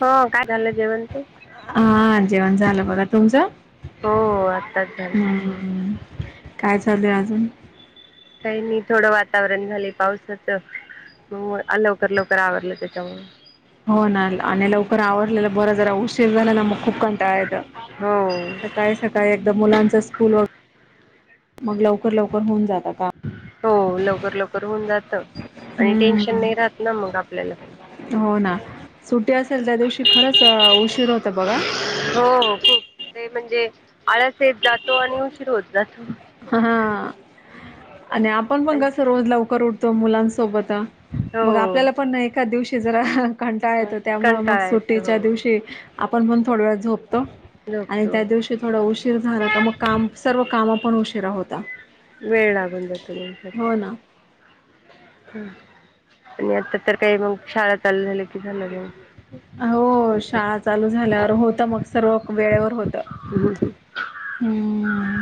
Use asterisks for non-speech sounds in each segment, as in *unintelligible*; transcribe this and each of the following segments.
हो काय झालं जेवण ते हा जेवण झालं बघा तुमचं. हो आत्ताच झालं हम्म काय चालू हाय अजून? काई नाही थोडं वातावरण झालय पावसाचं होय आज लवकर लवकर आवरलं त्याच्यामुळं. हो ना आणि लवकर आवरलेल बरं जरा उशीर झाला ना मग खूप कंटाळा येतो. हो सकाळी सकाळी एकदा मुलांच स्कूल वग मग लवकर लवकर होऊन जातं. का हो लवकर लवकर होऊन जातं. आणि टेन्शन हम्म नाही रहात ना मग आपल्याला पण. हो ना सुट्टी असेल त्या दिवशी खरंच अ, उशीर होता बघा हो हो खूप ते म्हणजे आळस येत जातो आणि उशीर होत जातो. हा आणि आपण पण आणि कसं रोज लवकर उठतो मुलांसोबतं हो मग आपल्याला पण नाई एखात दिवशी तेच जरा कंटाळा येतो त्यामुळं मग कंटाळा येतो सुट्टीच्या हो दिवशी आपण पण थोड्या वेळत झोपतो आणि झोपतो त्या दिवशी थोडं उशीर झाला का मग काम सर्व कामं पण उशिरा होता वेळ लागून जातो माणसाला हो ना. आणि आता तर काही मग शाळा चालू झाल्या कि झाल्या मग हो शाळा चालू झाल्यावर होत मग सर्व वेळेवर होतं. हम्म.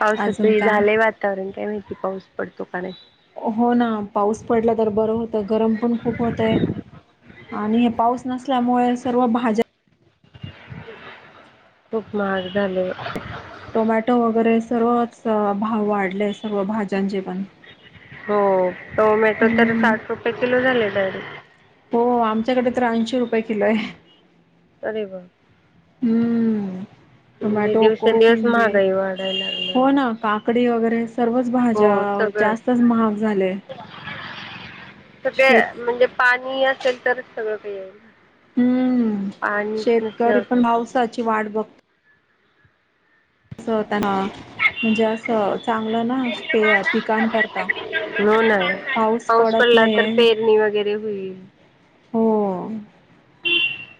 पावसाचं अजून हे काय? झालंय वातावरण काय माहिती पाऊस पडतो का नाही. हो ना पाऊस पडला तर बरं होतं गरम पण खूप होतय आणि पाऊस नसल्यामुळे सर्व भाज्या खूप महाग झालय. टोमॅटो वगरे सर्वच अं भाव वाढले सर्व भाज्यांचे पण. हो टोमॅटो तर हम्म साठ रुपय किलो झाले डायरेक्ट. हो आमच्याकडे तर ऐंशी रुपय किलो हाय. अरे बाप रे. टोमॅटो, कोथिंबीर वाढायला लागल्या हो ना काकडी वगरे स सर्वच भाज्या हो सगळं जास्तच महाग झाल्या. सगळे म्हणजे पाणी असेल तरच सगळं काय येईल हम्म पाणीच शेतकरी नसल्यावर पण काय पाऊसाची करणार वाट बघत कस त्यांना. म्हणजे असं चांगलं ना *unintelligible* पिकाण करता. हो ना पाऊस पडत पडला तर नाईये. पेरणी *inaudible* हो ओ अ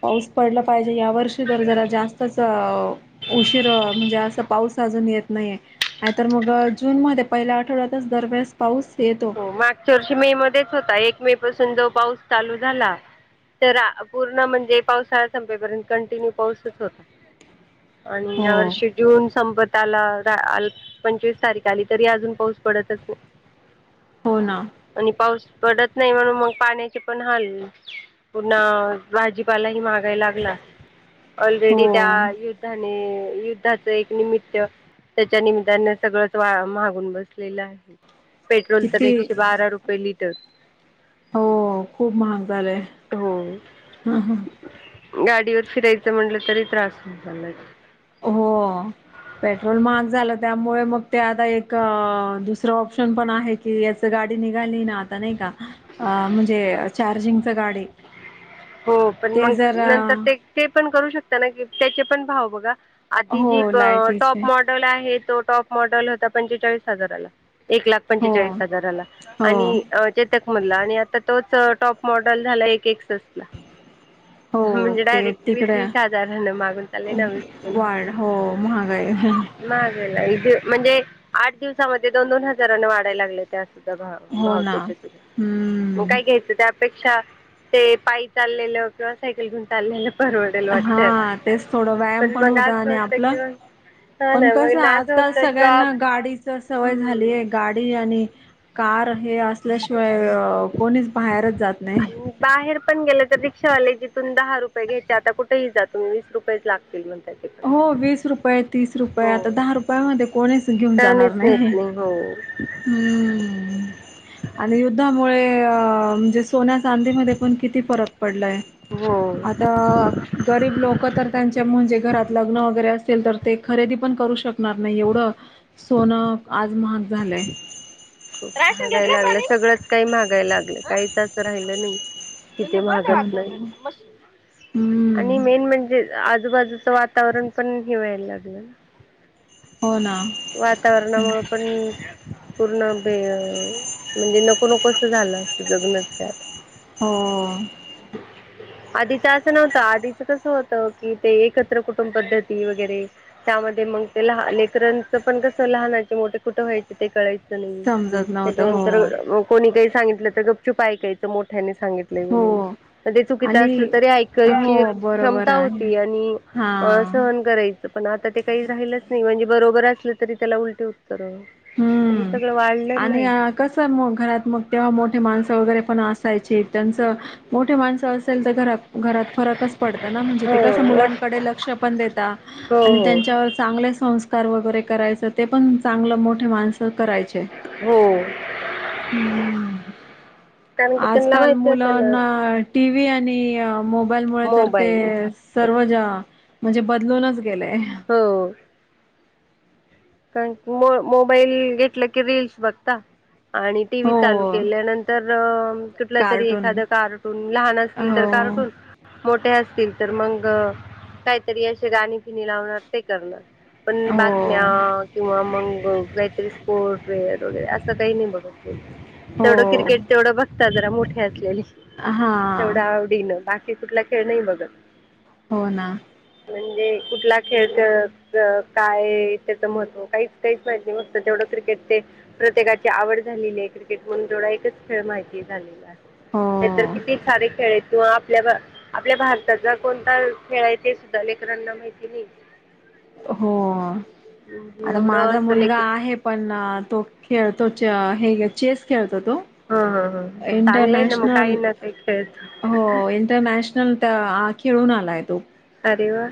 पाऊस पडला पाहिजे या वर्षी तर जरा जास्तच उशीर म्हणजे अस पाऊस अजून येत नाहीे नाही तर मग जून मध्ये पहिल्या आठवड्यातच दरवेेळेस पाऊस येतो हो मागच्या वर्षी मे मध्येच होता एक मे पासून जो पाऊस चालू झाला तर आ पूर्ण म्हणजे पावसाळा संपेपर्यंत कंटिन्यू पाऊसच होता. आणि हो या वर्षी जून संपत काल अ रा पंचवीस तारख आली तरी अजून पाऊस पडतच नाही. हो ना आणि पाऊस पडत नाही म्हणून मग पाण्याचे पण हाल पुन्हा भाजीपाला ही महागाय लागला *unintelligible* ऑलरेडी त्या युद्धाने युद्धाचं एक निमित्त त्याच्या निमित्ताने सगळंच महाग होऊन बसलेला आहे. पेट्रोल तर किती एकशे बारा रुपये लिटर हो खूप महाग झालंय. हो गाडीवर फिरायचं म्हटलं तरी त्रास होत चाललाय. हो. पेट्रोल महाग झालं त्यामुळे मग ते आता एक अ दुसरं ऑप्शन पण आहे की याच गाडी ते निघाली ना आता नाही का आ म्हणजे चार्जिंग च गाडी आहे हो पण मग नंतर ते ते पण करू शकता ना त्याचे पण भाव बघा आधी जी हो प अ टॉप लायटीचे मॉडल आहे तो टॉप मॉडल होता पंचेचाळीस हजाराला एक लाख पंचेचाळीस हो हजाराला हो आणि चेतक मधला आणि आता तोच टॉप मॉडल झाला एक ऐकसषटला हो ते तिकड हजारानं मागून चालले ना वीस वाढ हो महागाई ह हा महागायला ईथे म्हणजे आठ दिवसामध्ये दोन दोन हजारांने वाढाय लागले त्या एकदा भाव हो भाव ना त्याच्या सुद्धा मग काय हम्म घ्यायचं त्या तया पेक्षा ते पाय चाललेलं किंवा सायकल घेऊन चाललेलं परवडेल हा वाटतं आ तेच थोडं व्यायाम पण मग होता असं आणि होतं आपलं की मग हा पण ना कस मग ना असं आजकाल होतं सगळ्यांना जॉब गाडीच तर सवय हम्म झालीय गाडी आणि कार हे असल्याशिवाय हो अ कोणीच बाहेरच जात नाही *unintelligible* आपण गेले तर रिक्षावाले वाले जिथून दहा रुपये घेयाचे आता कुठेही जा तु्मही वीस रुपये लागतील म्हणता हो वीस रुपये तीस रुपये आता हो दहा रुपया मध्ये कोणी घेऊन जाणार त्यानेच नाही नेत *unintelligible* हम्म *unintelligible* आणि युद्धामुळे अ म्हणजेच सोन्या चांदीमध्ये पण किती फरक पडला आहे हो आता गरीब लोक तर त्यांच्या म्हणजे घरात लग्न वगैरे असेल तर ते खरेदी पण करू शकणार नाही एवढ सोन आज मग झालय खूप महागाय लागलं सगळंच काही महागायला लागलं काहीच असं राहिलं नाही तिथे *unintelligible* हो महागत नाही ना आणि हम्म मेन म्हणजे आजूबाजू वातावरण पण हे व्हायला लागलं ना हो ना वातावरणामुळे पण अ पूर्ण भे म्हणजे हे नको नकोसं झालं अस जग्न आ हो आधीच असं नव्हतं आधीच कस होत कि ते एकत्र कुटुंब पद्धती वगैरे त्या म ल लेकरांच पण कस लहा मोठे कुठे व्हायचे ते कळायचे त् चला येऊ समजत नव्हतं हो याच्यानंतर अ मग कोणी काहीच सांगितलं तर गप्चू आयकायचं मोठ्यानी सांगितलंय म्हणून हो चुकीच आणि असलं तरी ऐकायची हो बरोबर क्षमता आहे होती आणि अ हा सहन करायच पण आता ते काही राहिलंच नाही म्हणजे बरोबर असलं तरी त्याला उलटे तर अ हे हम्म. सगळं वाढलं आणि नाही अ, कसं मग घरात मग त्यां मोठ माणस असेल तर घरात फरकच पडत ना म्हणजे ते कस हो मुलांकडे लक्ष पण देतात हो हो त्यांच्यावर चांगले संस्कार तर वगैरे करायचं ते पण चांगलं मोठे माणसं करायचे हो हम्म कारण की त्यांना आजकाल माहिती होतं ना मुलांना टी वी आणि अ मोबाईलमुळे तर ते मोबाईल सर्वच ज्या म्हणजे बदलूनच गेलेय हो *unintelligible* कारण की म मोबाईल घेतलं की रीलल्स बघता आणि टी व्ही हो. चालू केल्यानंतर अ कुठलं तरी कार्टून. एखाद कार्टून लहान असतील तर कार्ट हो. खूप मोठे असतील तर मग अ काहीतरी असे गाणी बिणी लावणार ते करणार पण अ हो. बातम्यात किंवा आ मग काहीतरी स्पोर्ट वेअर वगैरे असं काही नाही बघत तेवढं हो. क्रिकेट तेवढं बघता जरा मोठीे असलेले अ तेवढं हा आवडीनं बाकी ते कुठला खेळ नाही बघत हो ना म्हणजे कुठला खेळ त त काय त्याचं महत्व हो काहीच काहीच माहिती नाही फक्त तेवढं क्रिकेट ते प्रत्येकाची आवड झालेली आहे क्रिकेट म्हणून तेवढा एकच त्याला माहिती झालेला आहे हो नाही तरर किती सारे खेळ तू आप आपल्या अ आपल्या भारताचा कोणता खेळ आहे ते सुद्धा लेकरांना माहिती नाही हो अ म्हणजे आता एवढं माझा असं मुलगा लेकर आहे पण अ तो खेळतो अ च हे चेस खेळतो होतो हां हां हां चांगलं आहे ना मग इंटरनॅशनल काही ना काही खेळत हो इंटरनॅशन खेळून आलाय तो अरे वा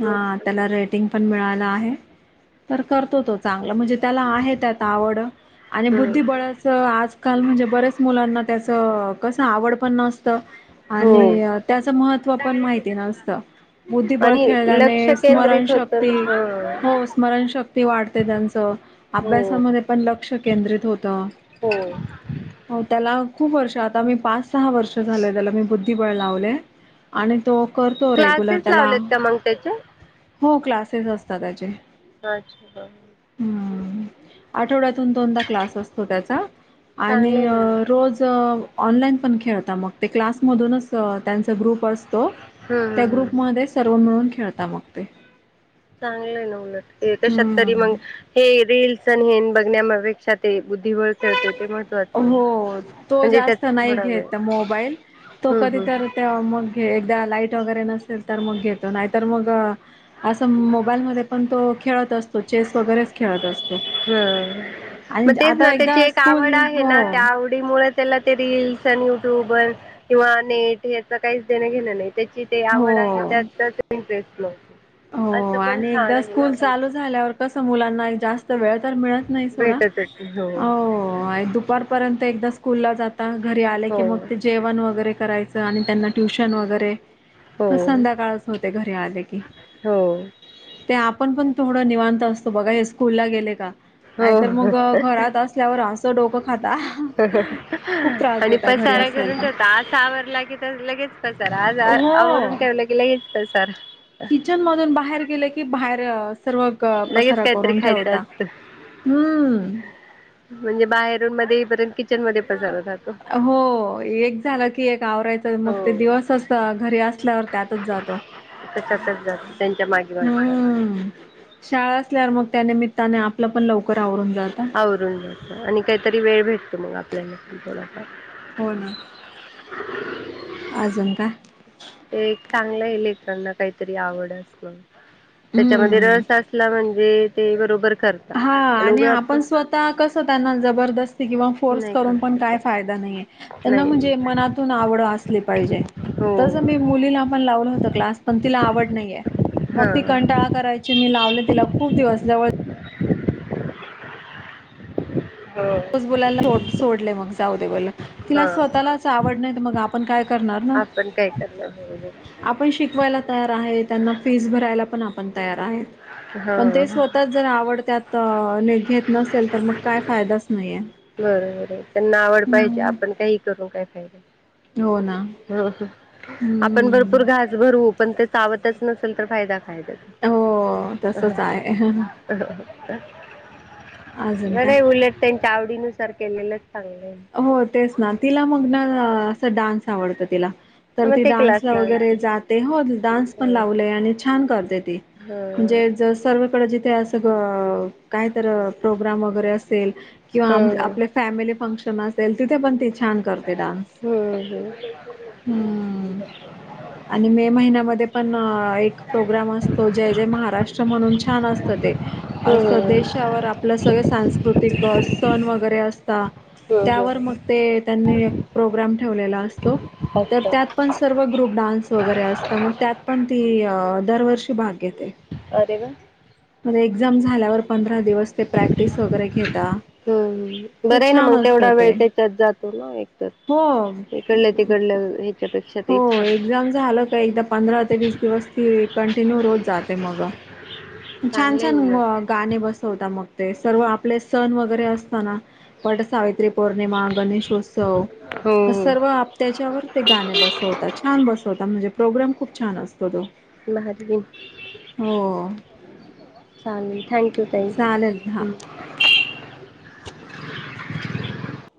हा आ मस्त त्याला रेटिंग पण मिळाला आहे तर करतो तो चांगला म्हणजे त्याला आहे त्यात आवड आणि हम्म. बुद्धिबळाचं आजकाल म्हणजे बऱ्याच मुलांना त्याचं कसं आवड पण नसतं हो आणि अ त्याच महत्व पण माहिती नसतं बुद्धिबळ खेळ आणि तेने लक्ष स्मरण केंद्रित होतं शक्ती ना हो हां स्मरणशक्ती वाढते त्यांचं हो अभ्यासामध्ये पण लक्ष केंद्रित होतं हो आओ होत अ खप वर्ष आ मी पाच सहा वर्ष झाल त्याला मी बुद्धीबळ लावले आणि तो अ करतो रेग्युलर त्याला त्याच्या हो क्लासेस असतात त्याचे अच्छा ह आठवड्यात दोन दोनदा क्लास असतो त्याचा आणि चांगले अ ना मग रोज अ ऑनलाईन पण खेळत मग ते क्लासमधूनच अ त्यांचा ग्रुप बसतो हम्म त्या हम्म हम्म ग्रुपमध्ये सर्व मिळून खेळता मग ते चांगलं आहे ना उलट कशात तरी हं. मग हे रीलस आणि हे बघ नियमापेक्षा ते बुद्धिबळ ते च हो तो त्यात जास्त नाही थोडा वेळ घेत मोबाईल तो हम्म कधी हम्म तररी तेव्हा मग एकदा लाईट वगैरे नसेल तर मग घेतो नाही तर मग असं मोबाईल म पण तो खेळत असो चे वैगेरे गरे खेळत असतो हम्म.. आणि मग तेच ना, आता त्याची एकदा एक स्कूल आवड आहे. हे हो. ना त्या आवडीमुळे त्याला ते रील युट्यूबर किंवा नेट याच काहीच देणं घेणं नाही. त्याची ते आवड आहे. हो. त्यात इंटरेस्ट हो असं पण आणि छान एकदा आहे ना स्कूल चालू काहीतरी झाल्यावर कस मुलांना जास्त वेळ तर मिळत नाही सोडा. हो आणि दुपारपर्यंत एकदा स्कूल ला जाता घरी आले की हो मग ते जेवण वगैरे कराय- आणि त्यांना ट्युशन वगैरे, हो संध्याकाळच होते घरी आले की, हो ते आपण पण थोडं निवांत असतो. बघा हे स्कूल ला गेले का. नाही तर मग हो घरात असल्यावर असं डोकं दुखत. हा हा आणि देता घरी पसारा असेल करून ठेवता तर. असा आवरला की तर लगेच पस तर आज हो आवरून ठेवलं गेलं की लगेच पसारा किचन मधून बाहेर गेले की बाहेरच असतात. सर्व लगेच पसारा काहीतरी करून खायचं ठेवता. असतं हम्म म्हणजे बाहेरून मध्ये येईपर्यंत किचन मध्ये पसारा राहतो हो एक झालं की एक आवरायचं हो मग ते दिवसच घरी असल्यावर त्यातच जाधव त्याच्यातच जातो. त्यांच्या मागे मागे हम्म करण्यात शाळा असल्यावर मग त्या निमित्ताने आपलं पण लवकर आवरते. आवरून जा आणि काहीतरी वेळ भेटतो मग आपल्याला पण थोडासा हो ना *inaudible* अजून काय? ते एक चांगलं लेकरांना काहीतरी आवड असल त्याच्यामध्ये हम्म रस असला म्हणजे ते बरोबर हा आणि आपण स्वतः कस त्यांना जबरदस्ती किंवा फोर्स नाही करून करू पण काय शकत फायदा नाहीे त्यांना नाही म्हणजे नाही मनातून आवड असली पाहिजे. हो तस मी मुलीला पण लावलं होत क्लास पण तिला आवड नाहीये. मग हां ती कंटाळा करायची. मी लावले तिला खूप दिवस जवळ हो रोज बोलायला सोडले. मग जाऊ दे म्हणलं तिला हां स्वतःलाच आवड नाही मग आपण काय करणार ना. आपण काय करणार बरोबर आपण शिकवायला तयार आहे. त्यांना फीस भरायला पण आप- तयार आहे. पण ते हां स्वतः जर आवड त्यात घेत नसेल तर मग काय फायदाच नाही. बरोबर त्यांना आवड पाहिजे. हम्म आपण काही करून काय फायदा हो ना ह ह आपण हम्म भरपूर घास भरवू. पण ते चावतच नसेल तर फायदा काय? हो ह तसच आहे अजून बरंय काय उलट त्यांच्या आवडीनुसार केलेलं. हो, तेच ना तिला मग ना असा डान्स आवडत तिला तर मग ती ते क्लास डान्सला वगैरे लावायचे जाते. हो, डान्स पण हं लावले आणि छान करते. हं म्हणजे सर्वांकडे जिथे काहीतर प्रोग्राम वगैरे असेल किंवा हं हं आपले फॅमिली फंशन असेल तिथे पण ती छान करते डान्स. हं हम्म. *inaudible* आणि मे महिन्यामध्ये पण एक प्रोग्राम असतो जय जय महाराष्ट्र म्हणून छान असत. ते असं हं देशावर आपलं सगळे सांस्कृतिक सण वगैरे असत. हं हं त्यावर हं मग ते त्यांनी प्रोग्राम ठेवलेला अस अच्छा त्यात पण सर्व ग्रुप डान्स वगैरे असत. मग त्यात पण ती अ दरवर्षी भाग घेते. अरे वा! े एक्झाम झाल्यावर पंधरा दिवस ते प्रॅक्टिस वगैरे घेता. हम्... तर बरं आहे ना, छान मग असतं तेवढा वेळ ते त्याच्यात जातो ना एकतर. हो, इकडल्या तिकडल्या ह्याच्यापेक्षा ते हो छान एक्झाम झा झालं का एकदा पंधरा ते वीस दिवस- कंटिन्यू रोज जाते मग. छान- चांगलं आहे छान उलट गाणे बसवता मग ते सर्व आपले सण वगैरे असताना. वट सावित्री पौर्णिमा गणेशोत्सव- हो हो सर्व आप त्या्याच्यावर ते गाणे बसवतात, छान बसवतात म्हणजे प्रोग्राम खूप छान असतो तो. महादीवप - हो चालेल, थँक्यू ताई. चालेल हां. हंम्म... *inaudible* *inaudible*